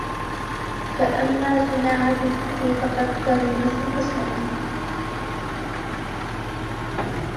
فَأَمَّا صِنَاعَةُ الْفِكْرِ فَقَدْ تَنْقَسِمُ قِسْمَيْنِ